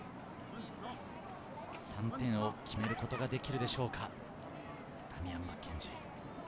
３点を決めることができるでしょうか。